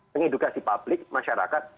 dengan edukasi publik masyarakat